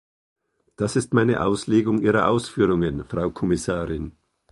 Das ist meine Auslegung Ihrer Ausführungen, Frau Kommissarin.